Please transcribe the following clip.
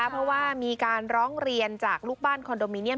เพราะว่ามีการร้องเรียนจากลูกบ้านคอนโดมิเนียม